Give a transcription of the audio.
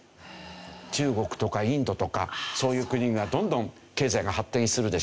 中国とかインドとかそういう国がどんどん経済が発展するでしょ。